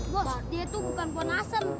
bos dia tuh bukan pohon asem